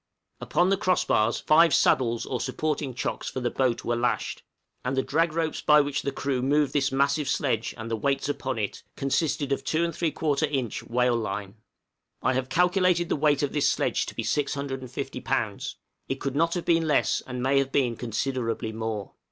Upon the cross bars five saddles or supporting chocks for the boat were lashed, and the drag ropes by which the crew moved this massive sledge, and the weights upon it, consisted of 2 3/4 inch whale line. I have calculated the weight of this sledge to be 650 lbs.; it could not have been less, and may have been considerably more.